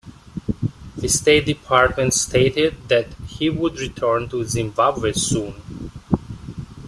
The State Department stated that he would return to Zimbabwe soon.